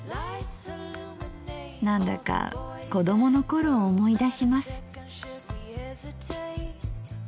何だか子供の頃を思い出します。